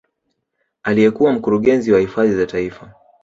Aliyekuwa mkurugenzi wa hifadhi za taifa